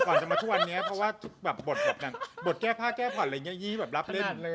ก่อนจะมาทุกวันนี้เพราะว่าบทแก้ผ้าแก้ผ่อนอย่างงี้รับเล่น